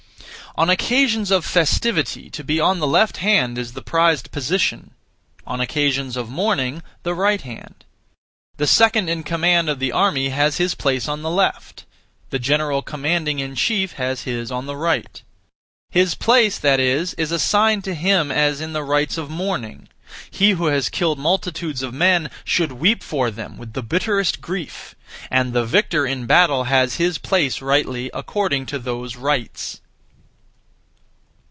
On occasions of festivity to be on the left hand is the prized position; on occasions of mourning, the right hand. The second in command of the army has his place on the left; the general commanding in chief has his on the right; his place, that is, is assigned to him as in the rites of mourning. He who has killed multitudes of men should weep for them with the bitterest grief; and the victor in battle has his place (rightly) according to those rites.